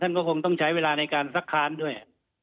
ก็คงต้องใช้เวลาในการซักค้านด้วย